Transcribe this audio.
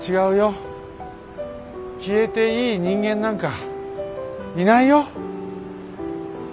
消えていい人間なんかいないよ。